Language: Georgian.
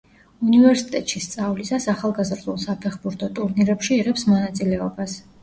უნივერსიტეტში სწავლისას, ახალგაზრდულ საფეხბურთო ტურნირებში იღებს მონაწილეობას.